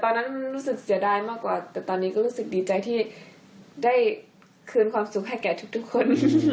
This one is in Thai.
ตอนนั้นรู้สึกเสียดายมากกว่าแต่ตอนนี้ก็รู้สึกดีใจที่ได้คืนความสุขให้แก่ทุกคน